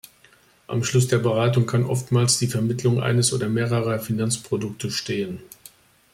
Am Schluss der Beratung kann oftmals die Vermittlung eines oder mehrerer Finanzprodukte stehen.